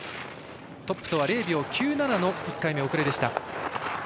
トップとは０秒９７の１回目の遅れでした。